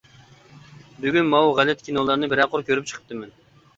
بۈگۈن ماۋۇ غەلىتە كىنولارنى بىرەر قۇر كۆرۈپ چىقىپتىمەن.